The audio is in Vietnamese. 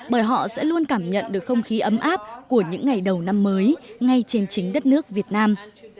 bởi họ sẽ luôn cảm nhận được không khí ấm áp của những ngày đầu năm mới ngay trên chính đất nước việt nam